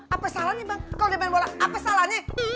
apa salahnya bang kalau dia main bola apa salahnya